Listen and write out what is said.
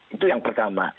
itu yang pertama